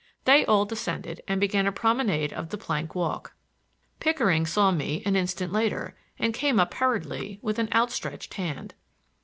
They all descended and began a promenade of the plank walk. Pickering saw me an instant later and came up hurriedly, with outstretched hand.